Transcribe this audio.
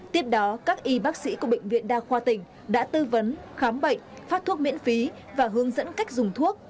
tiếp đó các y bác sĩ của bệnh viện đa khoa tỉnh đã tư vấn khám bệnh phát thuốc miễn phí và hướng dẫn cách dùng thuốc